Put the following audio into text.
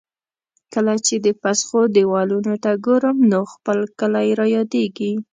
کله چې د پسخو دېوالونو ته ګورم، نو خپل کلی را یادېږي.